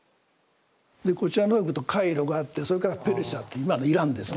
でこちらのほう行くとカイロがあってそれからペルシャって今のイランですね。